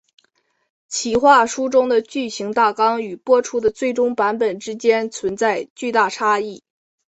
企划书中的剧情大纲与播出的最终版本之间存在巨大差异。